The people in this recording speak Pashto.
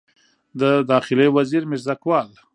د داخلي وزیر میرزکوال